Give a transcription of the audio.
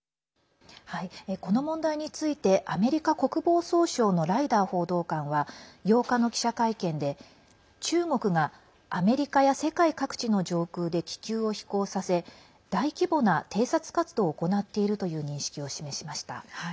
この問題についてアメリカ国防総省のライダー報道官は８日の記者会見で中国が、アメリカや世界各地の上空で気球を飛行させ大規模な偵察活動を行っているという認識を示しました。